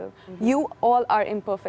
anda semua juga tidak sempurna